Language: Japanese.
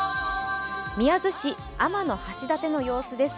宮津市、天橋立の様子です。